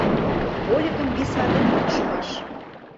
Вольыкым виса дене пукшымаш..